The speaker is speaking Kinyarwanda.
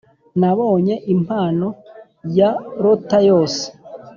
nabonye impano ya lotta yose